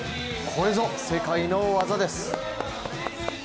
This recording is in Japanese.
これぞ世界の技です。